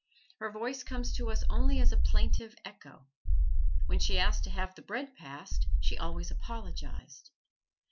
Her voice comes to us only as a plaintive echo. When she asked to have the bread passed, she always apologized.